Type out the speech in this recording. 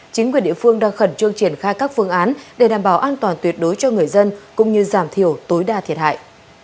chính quyền địa phương đang khẩn trương triển khai các phương án để đảm bảo an toàn tuyệt đối cho người dân cũng như giảm thiểu tối đa thiệt hại